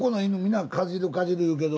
皆かじるかじる言うけど。